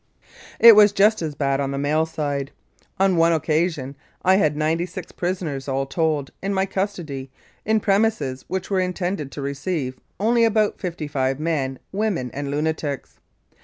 It was just as bad on the male side. On one occasion I had ninety six prisoners, all told, in my custody, in premises which were intended to receive only about fifty five men, women, and lunatics.